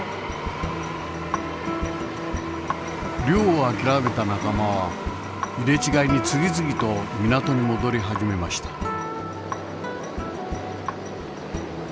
漁をあきらめた仲間は入れ違いに次々と港に戻り始めました。